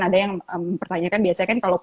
ada yang mempertanyakan biasanya kan kalau